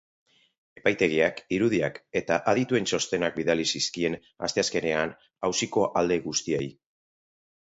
Epaitegiak irudiak eta adituen txostenak bidali zizkien asteazkenean auziko alde guztiei.